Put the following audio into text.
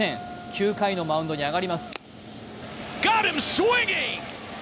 ９回のマウンドに上がります。